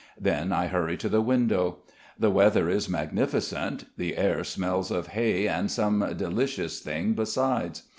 Then I hurry to the window. The weather is magnificent. The air smells of hay and some delicious thing besides.